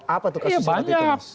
apa tuh kesusahan itu